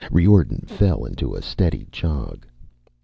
Riordan fell into a steady jog.